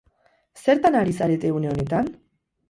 Zertan ari zarete une honetan?